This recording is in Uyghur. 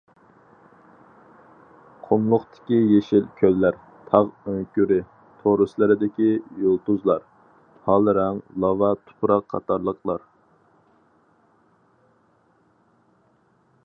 قۇملۇقتىكى يېشىل كۆللەر، تاغ ئۆڭكۈرى تورۇسلىرىدىكى« يۇلتۇزلار»، ھال رەڭ لاۋا تۇپراق قاتارلىقلار.